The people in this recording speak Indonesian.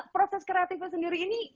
proses kreatifnya sendiri ini